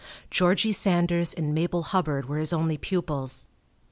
Georgie Sanders and Mabel Hubbard were his only pupils.